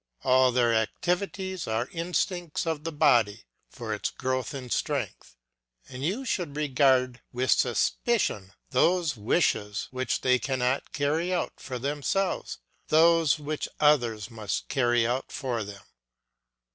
All their own activities are instincts of the body for its growth in strength; but you should regard with suspicion those wishes which they cannot carry out for themselves, those which others must carry out for them.